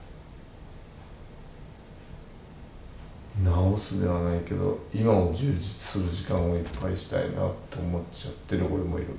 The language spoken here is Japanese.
治すではないけど、今を充実する時間を一番にしたいなって思っちゃってる俺もいる。